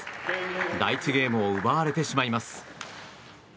第１ゲームを奪われてしまいます。